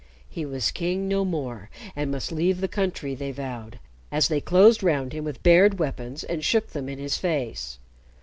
He was king no more, and must leave the country, they vowed, as they closed round him with bared weapons and shook them in his face.